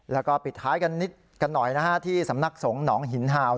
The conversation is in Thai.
และปิดท้ายกันหน่อยนะคะที่สำนักสงษ์หนองหินฮาว